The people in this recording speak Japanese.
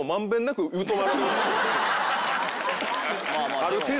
ある程度ね。